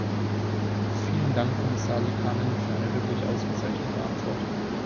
Vielen Dank, Kommissar Liikanen, für eine wirklich ausgezeichnete Antwort.